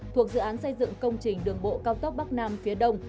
thuộc dự án xây dựng công trình đường bộ cao tốc bắc nam phía đông